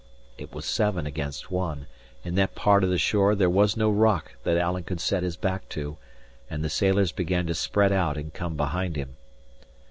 It was seven against one; in that part of the shore there was no rock that Alan could set his back to; and the sailors began to spread out and come behind him.